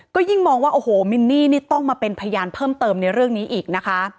ก็ยิ่งมองว่าโอ้โหมินนี่นี่ต้องมาเป็นพยานเพิ่มเติมในเรื่องนี้อีกนะคะ